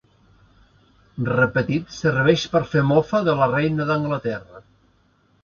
Repetit, serveix per fer mofa de la reina d'Anglaterra.